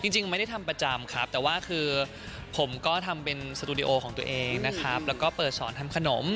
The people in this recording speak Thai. จริงไม่ได้ทำประจำครับแต่ว่าคือผมก็ทำเป็นสตูดิโอของตัวเองนะครับแล้วก็เปิดสอนทำขนม